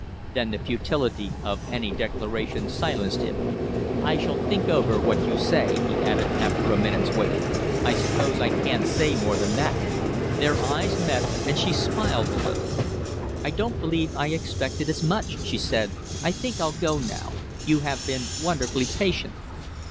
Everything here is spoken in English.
Then the futility of any declaration silenced him. "I shall think over what you say," he added, after a minute's wait. "I suppose I can't say more than that." Their eyes met and she smiled a little. "I don't believe I expected as much," she said. "I think I'll go now. You have been wonderfully patient."